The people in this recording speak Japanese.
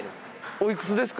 おいくつですか？